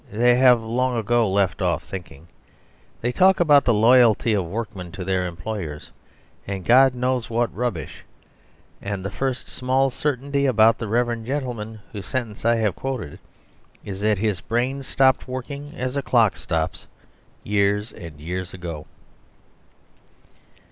They have long ago left off thinking. They talk about the loyalty of workmen to their employers, and God knows what rubbish; and the first small certainty about the reverend gentleman whose sentence I have quoted is that his brain stopped working as a clock stops, years and years ago.